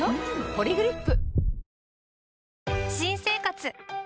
「ポリグリップ」